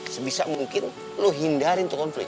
sebisa mungkin lo hindarin tuh konflik